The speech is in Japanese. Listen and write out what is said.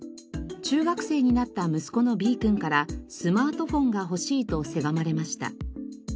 中学生になった息子のＢ君からスマートフォンが欲しいとせがまれました。